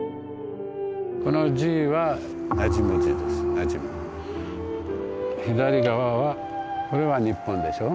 この字は左側はこれは日本でしょう。